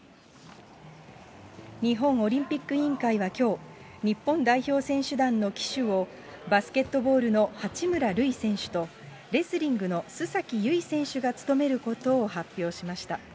日本オリンピック委員会はきょう、日本代表選手団の旗手を、バスケットボールの八村塁選手と、レスリングの須崎優衣選手が務めることを発表しました。